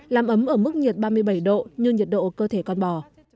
làm ấm ở mức nhiệt ba mươi bảy độ như nhiệt độ cơ thể con bò